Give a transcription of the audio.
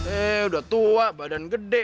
eh udah tua badan gede